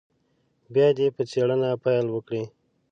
بیا دې په څېړنه پیل وکړي.